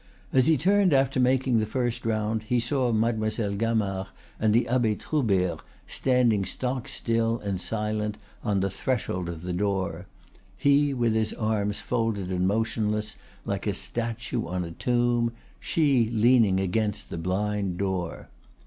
As he turned after making the first round, he saw Mademoiselle Gamard and the Abbe Troubert standing stock still and silent on the threshold of the door, he with his arms folded and motionless like a statue on a tomb; she leaning against the blind door.